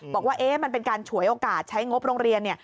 บอกว่ามันเป็นการฉวยโอกาสใช้งบโรงเรียน